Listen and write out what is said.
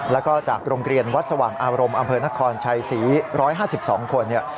แล้วก็จากโรงเรียนวัดสว่างอารมณ์อำเภอนครชัยศรี๑๕๒คนเนี่ย